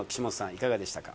いかがでしたか？